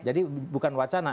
jadi bukan wacana